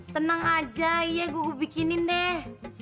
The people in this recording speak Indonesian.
tenang aja iya gue bikinin deh